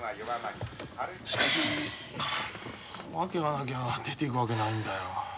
しかし訳がなきゃ出ていくわけないんだよ。